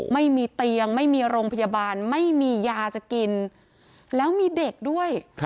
ไม่มีเตียงไม่มีโรงพยาบาลไม่มียาจะกินแล้วมีเด็กด้วย